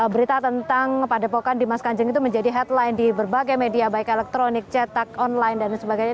berita tentang padepokan dimas kanjeng itu menjadi headline di berbagai media baik elektronik cetak online dan sebagainya